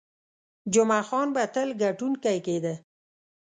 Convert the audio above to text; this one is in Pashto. جمعه خان به تل ګټونکی کېده.